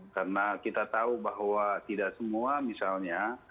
karena kita tahu bahwa tidak semua misalnya